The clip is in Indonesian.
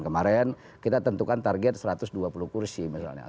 kemarin kita tentukan target satu ratus dua puluh kursi misalnya